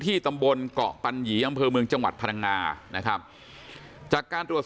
ตำบลเกาะปัญหยีอำเภอเมืองจังหวัดพังงานะครับจากการตรวจสอบ